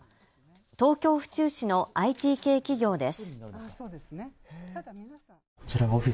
東京府中市のＩＴ系企業です。